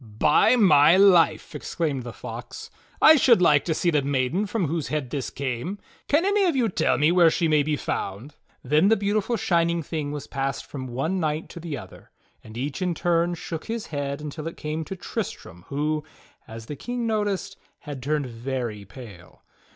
"By my life!" exclaimed the Fox, "I should like to see the maiden from whose head this came. Can any of you tell me where she mav be found. ^" Then the beautiful shining thing was passed from one knight to the other, and each in turn shook his head until it came to Tristram, who, as the King noticed, had turned very pale.